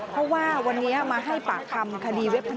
เพราะว่าวันนี้มาให้ปากคำคดีเว็บพ